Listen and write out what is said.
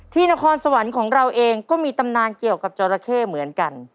นครสวรรค์ของเราเองก็มีตำนานเกี่ยวกับจอราเข้เหมือนกัน